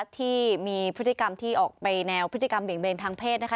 ที่มีพฤติกรรมที่ออกไปแนวพฤติกรรมเบี่ยงเบนทางเพศนะคะ